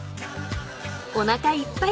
［おなかいっぱい］